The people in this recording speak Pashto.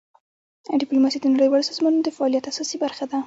ډیپلوماسي د نړیوالو سازمانونو د فعالیت اساسي برخه ده.